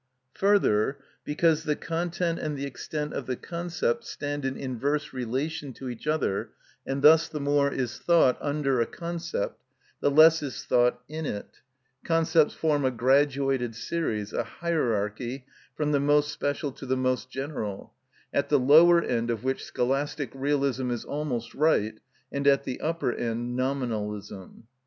Further, because the content and the extent of the concepts stand in inverse relation to each other, and thus the more is thought under a concept, the less is thought in it, concepts form a graduated series, a hierarchy, from the most special to the most general, at the lower end of which scholastic realism is almost right, and at the upper end nominalism.